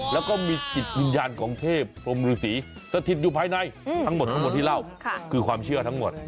แล้วก็มีจิตวิญญาณของเทพพรมฤษีสถิตอยู่ภายในทั้งหมดทั้งหมดที่เล่าคือความเชื่อทั้งหมด